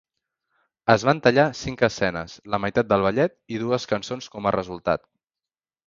Es van tallar cinc escenes, la meitat del ballet i dues cançons com a resultat.